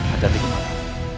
ada di kemarin